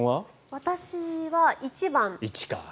私は１番。